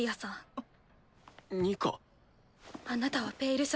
あっ。